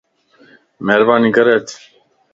مھرباني ڪري اچ